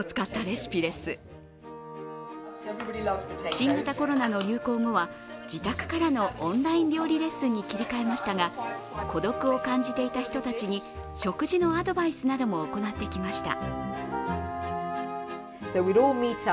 新型コロナの流行後は、自宅からのオンライン料理レッスンに切り替えましたが孤独を感じていた人たちに食事のアドバイスなども行ってきました。